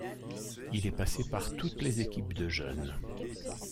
Il est passé par toutes les équipes de jeunes.